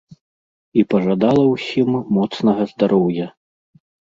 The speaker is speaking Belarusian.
І пажадала ўсім моцнага здароўя.